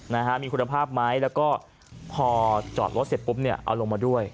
นะฮะมีคุณภาพไหมแล้วก็พอจอดรถเสร็จปุ๊บเนี่ยเอาลงมาด้วย